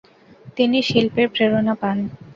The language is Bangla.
তিনি শিল্পের প্রেরণা পান।